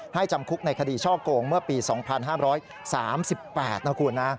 จำคุกในคดีช่อโกงเมื่อปี๒๕๓๘นะคุณนะ